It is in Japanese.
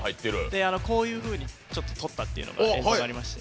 であのこういうふうにちょっととったっていうのが映像がありまして。